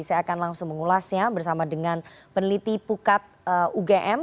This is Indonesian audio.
saya akan langsung mengulasnya bersama dengan peneliti pukat ugm